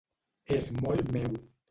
És molt meu.